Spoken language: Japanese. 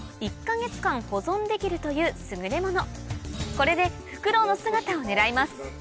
これでフクロウの姿を狙います